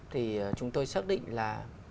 thì chúng tôi xác định là